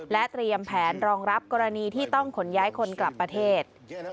เตรียมแผนรองรับกรณีที่ต้องขนย้ายคนกลับประเทศ